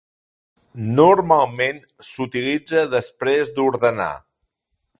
Normalment s'utilitza després d'ordenar.